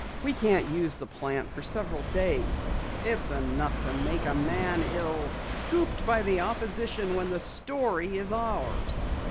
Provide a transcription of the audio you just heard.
We can't use the plant for several days. It's enough to make a man ill! Scooped by the opposition when the story is ours!"